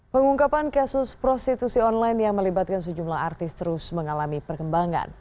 pengungkapan kasus prostitusi online yang melibatkan sejumlah artis terus mengalami perkembangan